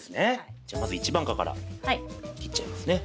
じゃまず一番果から切っちゃいますね。